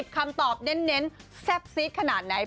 คำตอบเน้นแซ่บซีดขนาดไหน